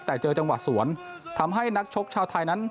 แต่เจอจังหวะสวนทำให้นักชกชาวไทยนั้น